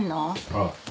ああ。